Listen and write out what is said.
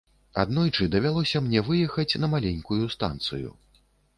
Аднойчы давялося мне выехаць на маленькую станцыю.